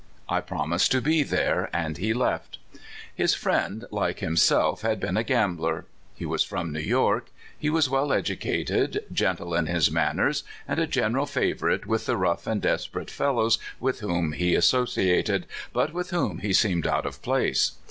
I promised to be there, and he left. His friend, like himself, had been a gambler. He was from New York. He was well educated, gentle in his manners, and a general favorite with the rough and desperate fellows with whom he as sociated, but with whom he seemed out of place.